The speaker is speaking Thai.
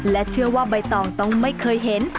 และเชื่อว่าใบตองต้องไม่เคยเห็น